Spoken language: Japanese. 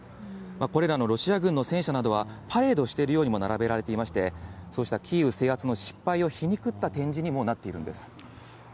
これらのロシア軍の戦車などは、パレードしているようにも並べられていまして、そうしたキーウ制圧の失敗を皮肉った展示にもなっているんです。